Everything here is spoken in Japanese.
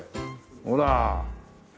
ほら。